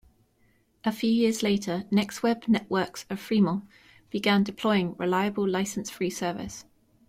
A few years later NextWeb Networks of Fremont began deploying reliable license free service.